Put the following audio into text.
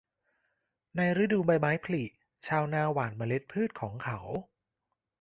ในฤดูใบไม้ผลิ ชาวนาหว่านเมล็ดพืชของเขา